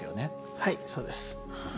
はいそうです。